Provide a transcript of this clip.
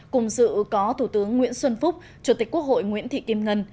cùng dự có thủ tướng nguyễn xuân phúc chủ tịch quốc hội nguyễn thị kim ngân